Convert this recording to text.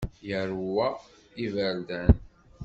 Yeṛwa iberdan.